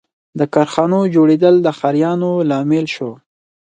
• د کارخانو جوړېدل د ښاریاتو لامل شو.